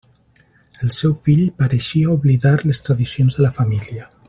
El seu fill pareixia oblidar les tradicions de la família.